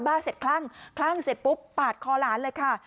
เสร็จคลั่งคลั่งเสร็จปุ๊บปาดคอหลานเลยค่ะ